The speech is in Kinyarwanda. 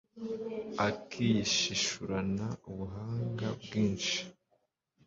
akayishishurana ubuhanga bwinshi